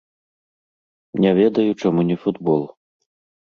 Не ведаю, чаму не футбол.